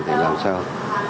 để làm sao